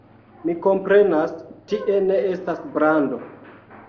Mi komprenas, tie ne estas brando.